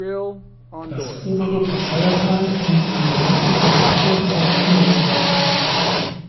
Das obere Passeiertal liegt an der südlichen Rampe vom Timmelsjoch.